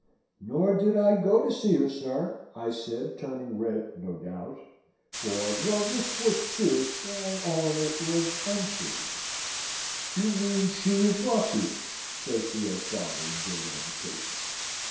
"Nor did I go to her, sir," I said, turning red, no doubt; for though this was truth, I own it was untrue. "You mean she was brought to you?" says Theo's father, in great agitation.